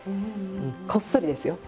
こっそりですよ。